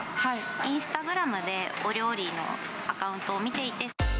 インスタグラムでお料理のアカウントを見ていて。